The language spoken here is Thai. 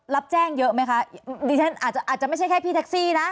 รับแจ้งเยอะไหมคะดิฉันอาจจะไม่ใช่แค่พี่แท็กซี่นะ